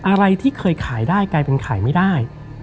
อะไรที่เคยขายได้กลายเป็นขายไม่ได้